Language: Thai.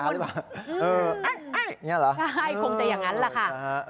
คงจะอย่างนั้นล่ะค่ะ